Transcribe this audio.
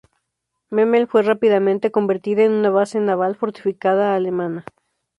Memel fue rápidamente convertida en una base naval fortificada alemana.